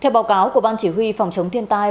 theo báo cáo của ban chỉ huy phòng chống thiên tai